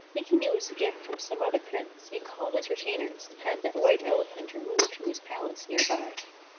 Thinking it was a gift from some other Prince, he called his retainers, and had the White Elephant removed to his palace, near by."